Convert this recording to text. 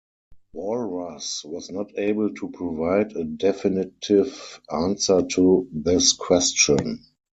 Walras was not able to provide a definitive answer to this question.